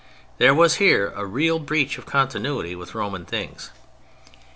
There was here a real breach of continuity with Roman things.